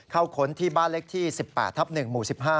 เข้าค้นที่บ้านเลขที่๑๘๑หมู่๑๕